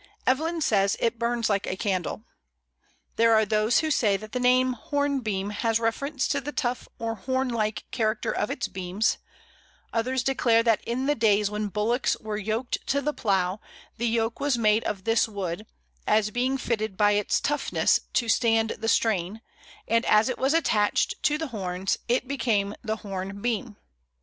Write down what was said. Evelyn says, "It burns like a candle." There are those who say that the name Hornbeam has reference to the tough or hornlike character of its beams; others declare that in the days when bullocks were yoked to the plough the yoke was made of this wood, as being fitted by its toughness to stand the strain, and as it was attached to the horns, it became the horn beam.